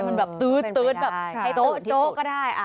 มันแบบตื๊ดแบบให้โจ๊ก็ได้